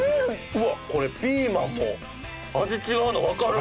うわっこれピーマンも味違うのわかる！